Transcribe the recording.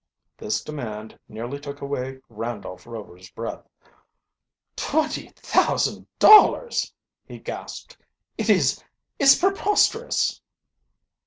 This demand nearly took away Randolph Rover's breath. "Twenty thousand dollars!" he gasped. "It is is preposterous!"